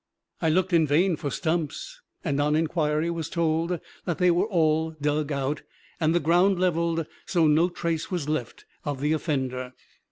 I looked in vain for stumps, and on inquiry was told that they were all dug out, and the ground leveled so no trace was left of the offender.